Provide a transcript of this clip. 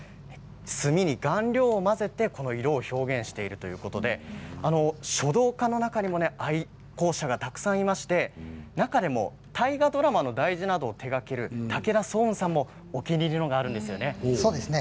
墨に顔料を混ぜてこの色を表現しているということで書道家の中にも愛好者がたくさんいまして中でも大河ドラマの題字などを手がける武田双雲さんもお気に入りのものがあるんですよね。